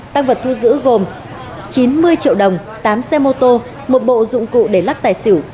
tăng vật thu giữ gồm chín mươi triệu đồng tám xe mô tô một bộ dụng cụ để lắc tài xỉu